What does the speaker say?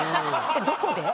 どこで？